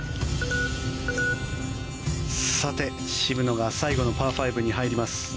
渋野が最後のパー５に入ります。